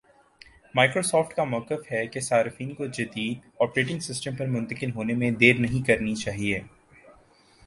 Microsoft کا مؤقف ہے کہ صارفین کو جدید آپریٹنگ سسٹم پر منتقل ہونے میں دیر نہیں کرنی چاہیے